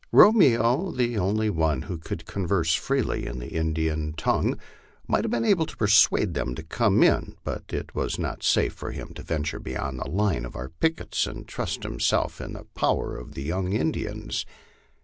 Ro meo, the only one who could converse freely in the Indian tongue, might have been able to persuade them to come in, but it was not safe for him to venture beyond the line of our pickets and trust himself in the power of the young In dians.